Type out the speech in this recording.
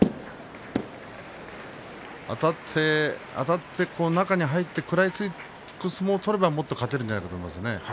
あたって中に入って食らいつく相撲を取ればもっと勝てるんじゃないかなと思います。